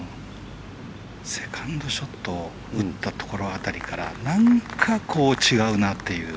セカンドショット打ったところ辺りから何か違うなっていう。